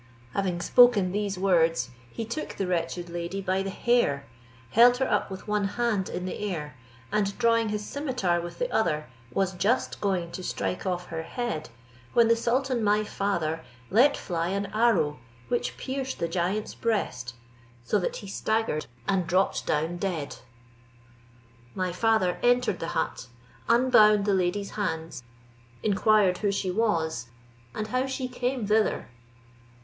Having spoken these words, he took the wretched lady by the hair, held her up with one hand in the air, and drawing his scimitar with the other, was just going to strike off her head, when the sultan my father let fly an arrow which pierced the giant's breast, so that he staggered, and dropped down dead. My father entered the hut, unbound the lady's hands, inquired who she was, and how she came thither.